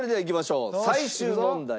最終問題。